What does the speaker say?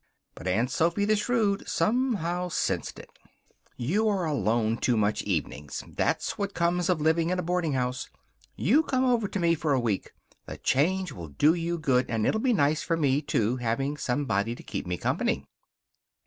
But Aunt Sophy, the shrewd, somehow sensed it. "You're alone too much, evenings. That's what comes of living in a boardinghouse. You come over to me for a week. The change will do you good, and it'll be nice for me, too, having somebody to keep me company."